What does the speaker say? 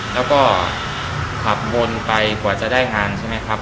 แล้วก็ขับวนไปกว่าจะได้งานใช่ไหมครับ